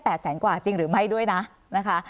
แสนกว่าจริงหรือไม่ด้วยนะนะคะ